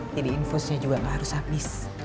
jadi infusnya juga gak harus habis